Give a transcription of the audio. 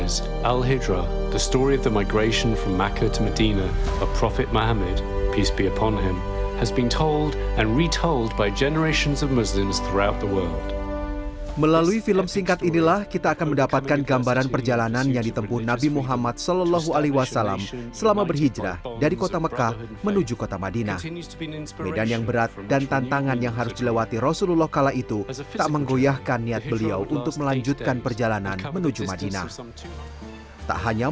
sampai jumpa di video selanjutnya